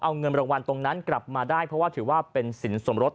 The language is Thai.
เอาเงินรางวัลตรงนั้นกลับมาได้เพราะว่าถือว่าเป็นสินสมรส